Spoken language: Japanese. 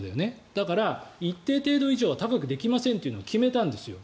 だから、一定程度以上は高くできませんというのは決めたんですよ。